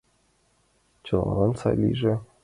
Чылалан сай лийже...